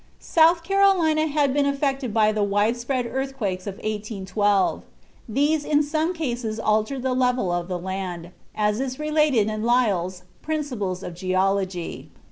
South Carolina had been affected by the wide spread earthquakes of 1812. These in some cases altered the level of the land, as is related in Lyell's "Principles of Geology."